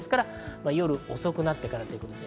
夜遅くなってからです。